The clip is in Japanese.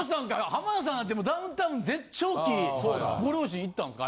浜田さんなんてダウンタウン絶頂期ご両親行ったんですか？